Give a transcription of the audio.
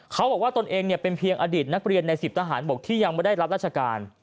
เขาบอกว่าตนเองเนี่ยเป็นเพียงอดิตนักเรียนใน๑๐ทหารบกที่ยังไม่ได้รับราชการ